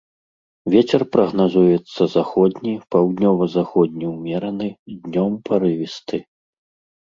Вецер прагназуецца заходні, паўднёва-заходні ўмераны, днём парывісты.